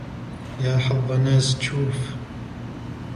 يا حظّ ناس تشوفك